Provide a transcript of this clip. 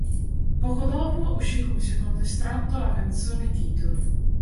Poco dopo uscì come secondo estratto la canzone-titolo.